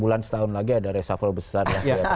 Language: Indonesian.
enam bulan setahun lagi ada resafal besar